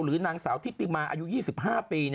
หรือนางสาวธิติมาอายุ๒๕ปี